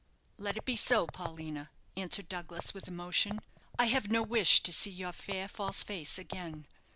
"Let it be so, Paulina," answered Douglas, with emotion. "I have no wish to see your fair, false face again.